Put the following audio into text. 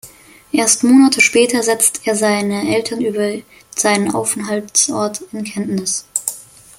Erst Monate später setzt er seine Eltern über seinen Aufenthaltsort in Kenntnis.